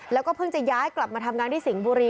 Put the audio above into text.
แล้วก็เพิ่งจะย้ายกลับมาทำงานที่สิงห์บุรี